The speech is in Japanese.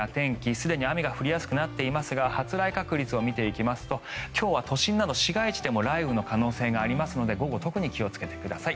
すでに雨が降りやすくなっていますが発雷確率を見ていきますと今日は都心など市街地でも雷雨の可能性がありますので午後、特に気をつけてください。